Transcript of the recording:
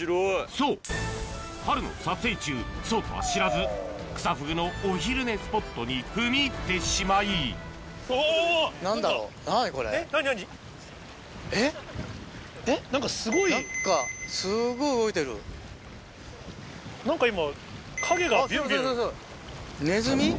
そう春の撮影中そうとは知らずクサフグの踏み入ってしまい何かすごい。何か今。